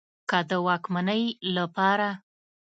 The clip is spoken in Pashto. که د واکمنۍ له پاره